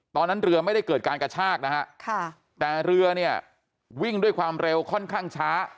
ตอนนั้นเรือไม่ได้เกิดการกระชากนะฮะค่ะแต่เรือเนี่ยวิ่งด้วยความเร็วค่อนข้างช้า